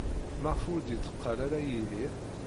Maɣef ur d-yetteqqal ara Yidir?